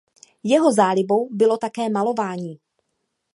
Jeho zálibou bylo také malování.